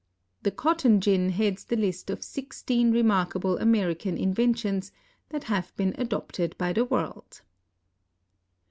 The cotton gin heads the list of sixteen remarkable American inventions that have been adopted by the world.